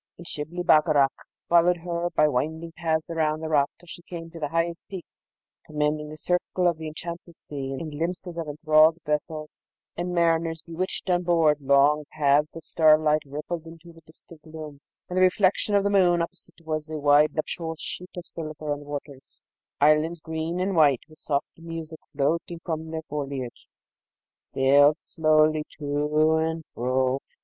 And Shibli Bagarag followed her by winding paths round the rock, till she came to the highest peak commanding the circle of the Enchanted Sea, and glimpses of enthralled vessels, and mariners bewitched on board; long paths of starlight rippled into the distant gloom, and the reflection of the moon opposite was as a wide nuptial sheet of silver on the waters: islands, green and white, and with soft music floating from their foliage, sailed slowly to and fro.